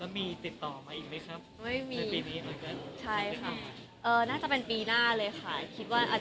มีติดต่อมั้ยอีกไหมครับ